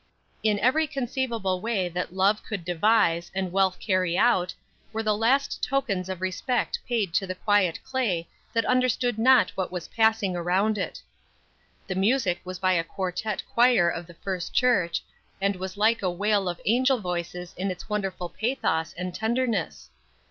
In every conceivable way that love could devise and wealth carry out, were the last tokens of respect paid to the quiet clay that understood not what was passing around it. The music was by the quartette choir of the First Church, and was like a wail of angel voices in its wonderful pathos and tenderness.